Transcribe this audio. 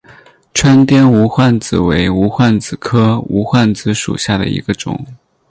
川滇无患子为无患子科无患子属下的一个种。